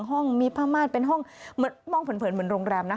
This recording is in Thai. มีห้องห้องมีผ้ามาดเป็นห้องเหมือนมองเผินเหมือนโรงแรมนะ